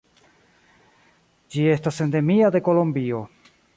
Ĝi estas endemia de Kolombio.